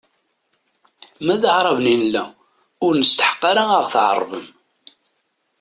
Ma d Aɛraben i nella, ur nesteḥq ad aɣ-tɛerbem.